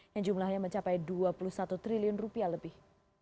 yang jumlahnya mencapai dua puluh satu triliun rupiah lebih